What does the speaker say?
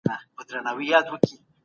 طاووس هم وو ځان وختي ور رسولی